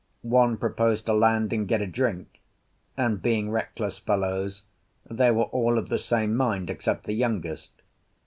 One proposed to land and get a drink, and, being reckless fellows, they were all of the same mind except the youngest.